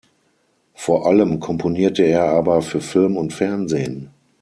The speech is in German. Vor allem komponierte er aber für Film und Fernsehen.